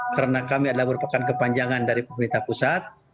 karena kami adalah berupakan kepanjangan dari pemerintah pusat